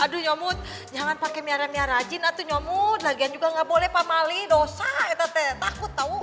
ah aduh nyomot jangan pakai miara miara jin atuh nyomot lagian juga nggak boleh pamali dosa eteteh takut tau